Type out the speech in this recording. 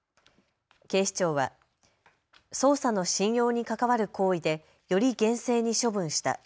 警視庁は捜査の信用に関わる行為でより厳正に処分した。